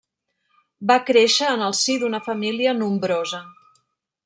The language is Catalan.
Va créixer en el si d'una família nombrosa.